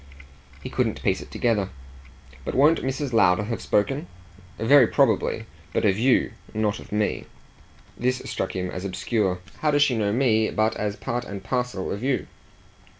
He couldn't piece it together. "But won't Mrs. Lowder have spoken?" "Very probably. But of YOU. Not of me." This struck him as obscure. "How does she know me but as part and parcel of you?"